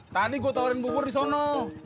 tadi gua tawarin bubur di sono